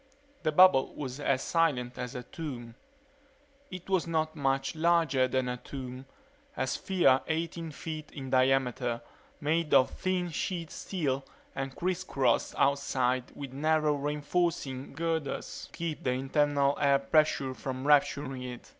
The bubble was as silent as a tomb. It was not much larger than a tomb; a sphere eighteen feet in diameter, made of thin sheet steel and criss crossed outside with narrow reinforcing girders to keep the internal air pressure from rupturing it.